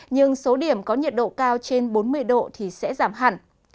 nhưng số điểm có nhiệt độ cao trên bốn mươi độ thì sẽ giảm hẳn